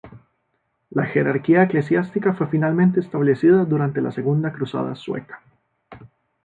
La jerarquía eclesiástica fue finalmente establecida durante la segunda cruzada sueca.